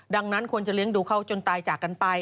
ดังนั้นควรจะเลี้ยงดูเขาจนตายจากกันไป